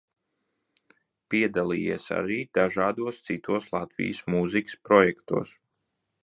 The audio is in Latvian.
Piedalījies arī dažādos citos Latvijas mūzikas projektos.